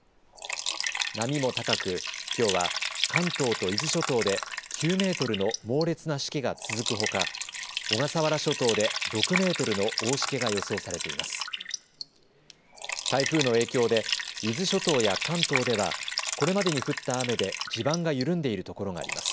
波も高く、きょうは関東と伊豆諸島で９メートルの猛烈なしけが続くほか小笠原諸島で６メートルの大しけが予想されています。